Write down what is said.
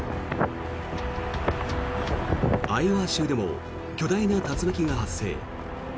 アイオワ州でも巨大な竜巻が発生。